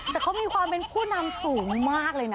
แต่เขามีความเป็นผู้นำสูงมากเลยนะ